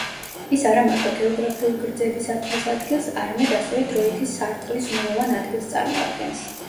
ის არამარტო გეოგრაფიულ გრძედის ათვლის ადგილს, არამედ ასევე დროითი სარტყლის ნულოვან ადგილს წარმოადგენს.